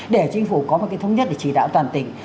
để chính phủ có một cái thống nhất để chỉ đạo toàn tỉnh